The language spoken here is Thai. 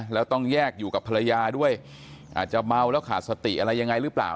แล้วต้องแยกอยู่กับภรรยาด้วยอาจจะเมาแล้วขาดสติอะไรยังไงหรือเปล่า